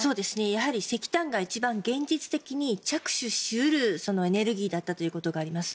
やはり石炭が一番現実的に着手し得るエネルギーだったということがあります。